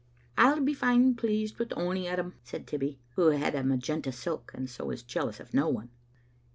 "I'll be fine pleased wi' ony o' them," said Tibbie, who had a magenta silk, and so was jealous of no one.